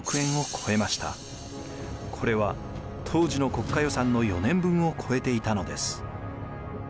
これは当時の国家予算の４年分を超えていたのです。